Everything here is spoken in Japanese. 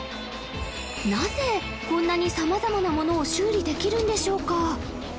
なぜこんなに様々なものを修理できるんでしょうか？